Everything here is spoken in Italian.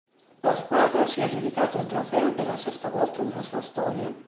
La squadra si è aggiudicata il trofeo per la sesta volta nella sua storia.